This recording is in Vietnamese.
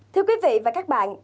thưa quý vị và các bạn